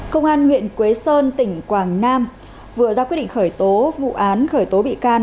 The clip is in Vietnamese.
công an huyện quế sơn tỉnh quảng nam vừa ra quyết định khởi tố vụ án khởi tố bị can